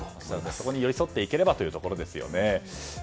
そこに寄り添っていければというところですよね。